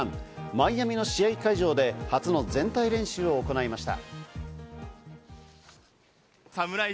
マイアミの試合会場で初の全体練習を行いました。